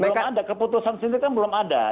ya ini keputusan sendiri kan belum ada